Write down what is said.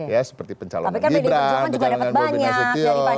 ya seperti pencalonan gibran negara negara bobina zetion